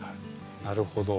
なるほど。